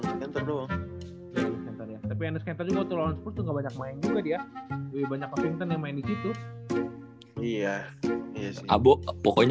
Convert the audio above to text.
anjing ngamain tapi enggak mau kemarin